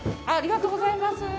ありがとうございます。